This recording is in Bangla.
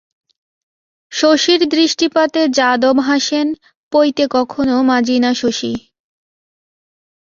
শশীর দৃষ্টিপাতে যাদব হাসেন, পৈতে কখনো মাজি না শশী।